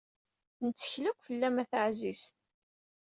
Nettkel akk fell-am a taɛzizt